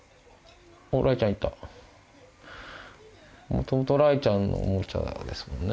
もともと雷ちゃんのおもちゃですもんね。